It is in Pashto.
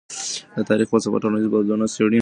د تاریخ فلسفه ټولنیز بدلونونه څېړي.